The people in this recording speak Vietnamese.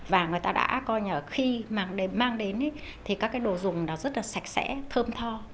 và người ta đã coi như là khi mà mang đến thì các cái đồ dùng nó rất là sạch sẽ thơm tho